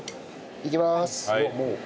いきます。